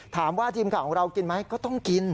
ถามว่าทีมข่าวของเรากินไหมก็ต้องกิน